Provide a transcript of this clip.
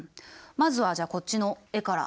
まずはじゃあこっちの絵から。